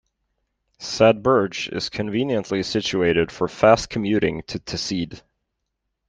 Sadberge is conveniently situated for fast commuting to Teesside.